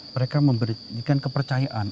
mereka memberikan kepercayaan